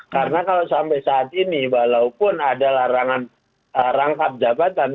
karena kalau sampai saat ini walaupun ada larangan rangkap jabatan